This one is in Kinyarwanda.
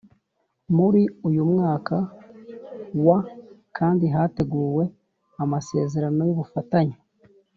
Muri uyu mwaka wa kandi hateguwe amasezerano y ubufatanye